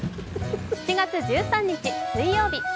７月１３日水曜日。